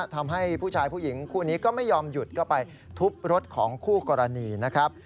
ทำให้ผู้ชายผู้หญิงคู่นี้ก็ไม่ยอมหยุดก็ไปทุบรถของคู่กรณีนะครับ